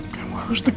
kamu harus tegak